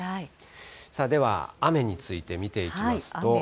さあ、では雨について見ていきますと。